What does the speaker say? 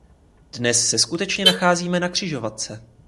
Dnes se skutečně nacházíme na křižovatce.